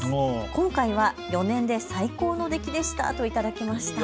今回は４年で最高の出来でしたと頂きました。